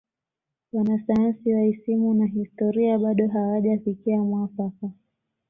wanasayansi wa isimu na historia bado hawajafikia mwafaka